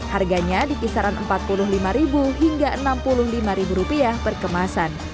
harganya di kisaran rp empat puluh lima hingga rp enam puluh lima per kemasan